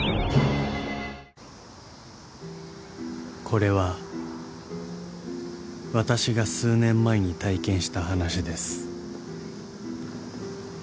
［これは私が数年前に体験した話です］